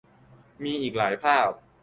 มีอีกหลายภาพ